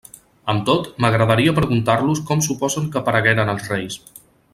Amb tot, m'agradaria preguntar-los com suposen que aparegueren els reis.